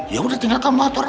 ya udah tinggal kamu atur aja